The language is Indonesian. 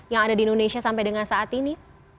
yang ada di indonesia sampai dengan saat ini